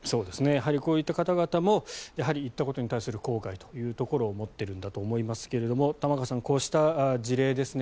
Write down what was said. こういった方々もやはり行ったことに対する後悔を持っていると思いますが玉川さん、こうした事例ですね